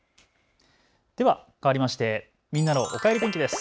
ではかわりましてみんなのおかえり天気です。